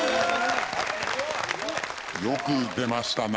よく出ましたな。